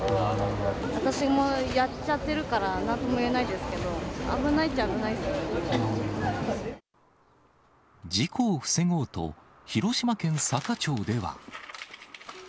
私もやっちゃってるから、何とも言えないですけど、事故を防ごうと、広島県坂町では。